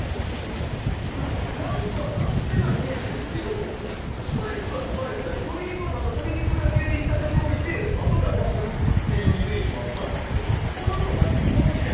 でも、勝手なイメージですけどスパイスはスパイスだけ鶏肉は鶏肉だけで炒めておいて、あとで合わせるイメージもあったんですがそんなことないんですか？